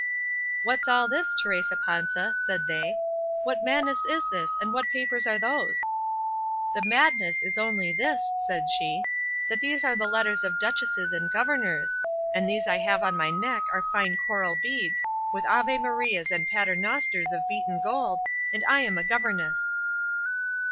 "What's all this, Teresa Panza," said they; "what madness is this, and what papers are those?" "The madness is only this," said she, "that these are the letters of duchesses and governors, and these I have on my neck are fine coral beads, with ave marias and paternosters of beaten gold, and I am a governess."